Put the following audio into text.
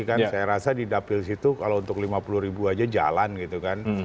saya rasa di dapils itu kalau untuk lima puluh ribu saja jalan gitu kan